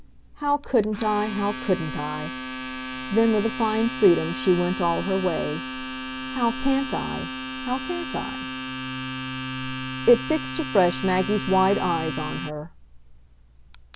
"How couldn't I, how couldn't I?" Then, with a fine freedom, she went all her way. "How CAN'T I, how can't I?" It fixed afresh Maggie's wide eyes on her.